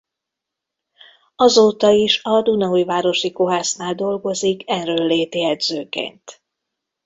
Azóta is a Dunaújvárosi Kohásznál dolgozik erőnléti edzőként.